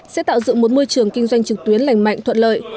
sẽ tạo dựng một môi trường kinh doanh trực tuyến lành mạnh thuận lợi